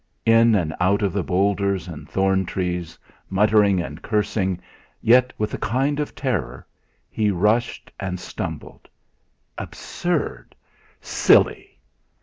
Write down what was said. In and out of the boulders and thorn trees, muttering and cursing, yet with a kind of terror, he rushed and stumbled. Absurd! Silly!